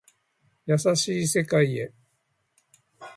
優しい世界へ